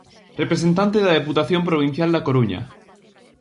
Representante da Deputación Provincial da Coruña.